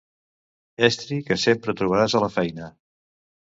Estri que sempre trobaràs a la feina.